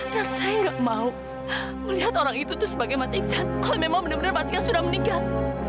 dan saya nggak mau melihat orang itu sebagai mas iksan kalau memang benar benar masih sudah meninggal